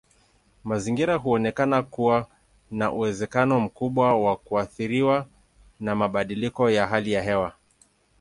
Mazingira huonekana kuwa na uwezekano mkubwa wa kuathiriwa na mabadiliko ya hali ya hewa.